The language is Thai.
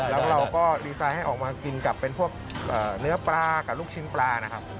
แล้วเราก็ดีไซน์ให้ออกมากินกับเป็นพวกเนื้อปลากับลูกชิ้นปลานะครับ